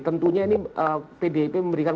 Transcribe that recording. tentunya ini pdip memberikan